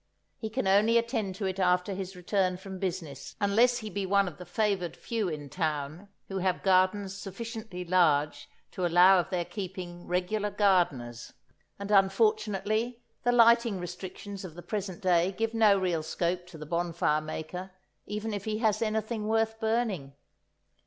He can only attend to it after his return from business, unless he be one of the favoured few in town who have gardens sufficiently large to allow of their keeping regular gardeners. And unfortunately the lighting restrictions of the present day give no real scope to the bonfire maker—even if he has anything worth burning.